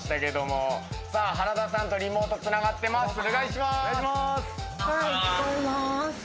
原田さんとリモートが繋がっています。